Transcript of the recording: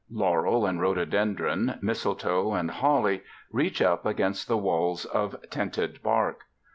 Laurel and rhododendron, mistletoe and holly, reach up against the walls of tinted bark.